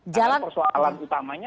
jalan persoalan utamanya